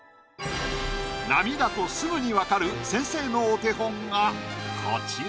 波だとすぐに分かる先生のお手本がこちら。